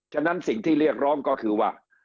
ฉะนั้นสิ่งที่เรียกร้องก็คือว่า